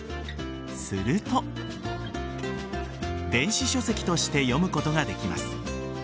すると電子書籍として読むことができます。